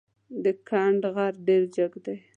د کند غر ډېر جګ دی.